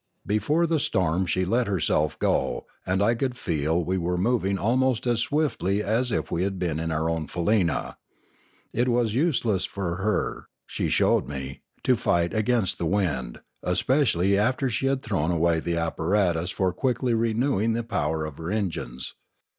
Before the storm she let herself go; and I could feel we were moving almost as swiftly as if we had been in our own faleena. It was useless for her, she showed me, to fight against the wind, especially after she had thrown away the apparatus for quickly renewing the power of her engines.